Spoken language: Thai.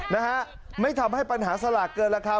นะฮะไม่ทำให้ปัญหาสลากเกินราคา